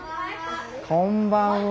こんばんは。